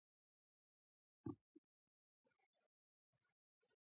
البته رڼا د پخوا په پرتله زیاته شوه.